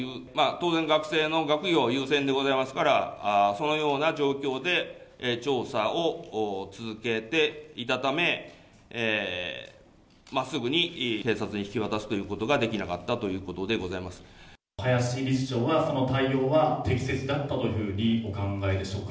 当然、学生の学業優先でございますから、そのような状況で調査を続けていたため、すぐに警察に引き渡すということができなかったということでござ林理事長は、その対応は適切だったというふうにお考えでしょうか。